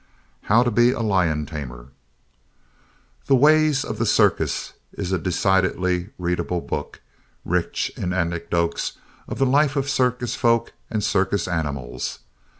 How To Be a Lion Tamer The Ways of the Circus is a decidedly readable book, rich in anecdotes of the life of circus folk and circus animals.